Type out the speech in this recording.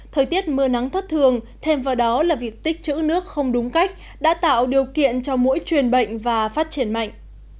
thời tiết mưa nắng thất thường thêm vào đó là việc tích chữ nước không đúng cách đã tạo điều kiện cho mỗi truyền bệnh và phát triển mạnh